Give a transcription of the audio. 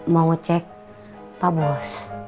mau ngecek pak bos